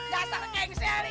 dasar geng selvi